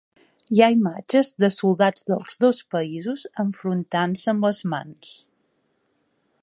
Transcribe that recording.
Hi ha imatges de soldats dels dos països enfrontant-se amb les mans.